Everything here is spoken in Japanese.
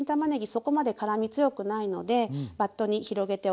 そこまで辛み強くないのでバットに広げておけば大丈夫です。